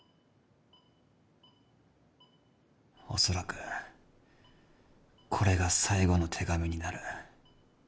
「恐らくこれが最後の手紙になる」